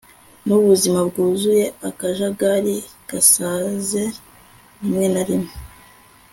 nubuzima bwuzuye akajagari gasaze rimwe na rimwe